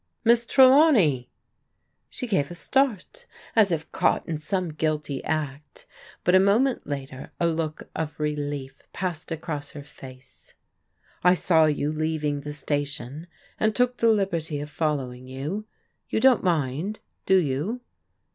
" Miss Trelawney.'* She gave a start as if caught in some guilty act, but a moment later a look of relief passed across her face. " I saw you leaving the station and took the liberty of following you. You don't mind, do you?"